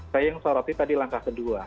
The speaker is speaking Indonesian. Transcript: saya yang soroti tadi langkah kedua